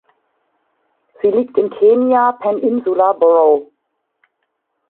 Sie liegt im Kenai Peninsula Borough.